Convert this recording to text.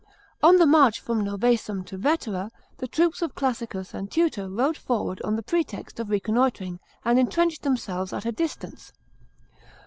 On the march from Novsesium to Vetera, the troope of Classicus and Tutor rode forward on the pretext of reconnoitring, and entrenched themselves at a distance.